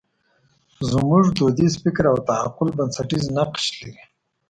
زموږ دودیز فکر او تعقل بنسټیز نقش لري.